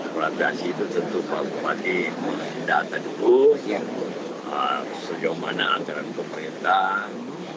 relativasi itu tentu pak bupati data dulu sejauh mana antara pemerintah